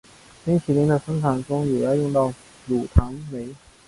冰淇淋的生产中也要用到乳糖酶。